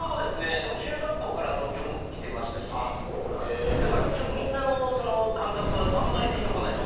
でも中学校から東京も来てましたしだからちょっとみんなのその感覚はあんまりピンとこないです。